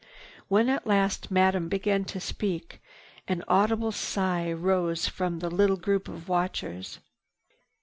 When at last Madame began to speak, an audible sigh rose from the little group of watchers.